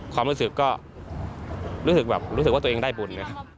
ความรู้สึกก็รู้สึกว่าตัวเองได้บุญ